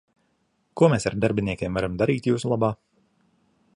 Ko mēs ar darbiniekiem varam darīt jūsu labā?